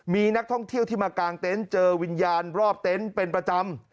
มีนักท่องเที่ยวที่มากางเต็นต์เจอวิญญาณรอบเต็นต์เป็นประจำ